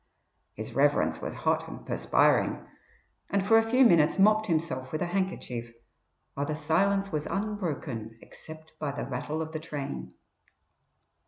His Reverence was hot and perspiring, and for a few minutes mopped himself with a handkerchief, while the silence was unbroken except by the rattle of the train.